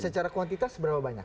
secara kuantitas berapa banyak